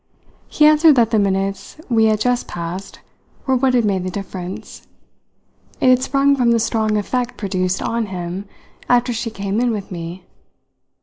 He answered that the minutes we had just passed were what had made the difference; it had sprung from the strong effect produced on him after she came in with me.